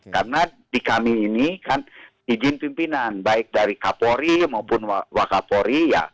karena di kami ini kan izin pimpinan baik dari kapolri maupun wakapolri ya